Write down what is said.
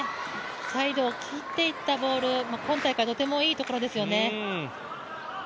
サイドを切っていったボール、今大会とてもいいところですよね。